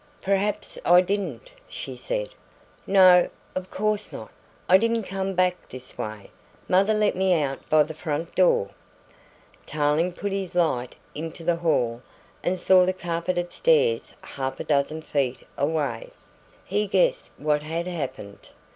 "Perhaps I didn't," she said. "No, of course not I didn't come back this way; mother let me out by the front door." Tarling put his light into the hall and saw the carpeted stairs half a dozen feet away. He guessed what had happened.